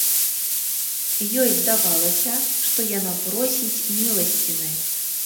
Ёй здавалася, што яна просіць міласціны.